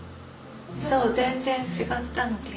そう全然違ったので。